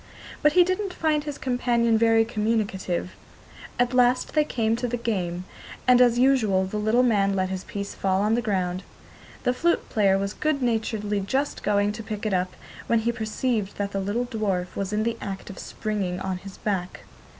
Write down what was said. But he didn't find his companion very communicative. At last they came to the game, and, as usual, the little man let his piece fall on the ground. The flute player was good naturedly just going to pick it up, when he perceived that the little dwarf was in the act of springing on his back.